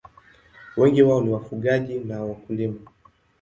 Wengi wao ni wafugaji na wakulima.